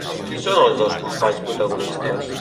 Qui són els dos companys protagonistes?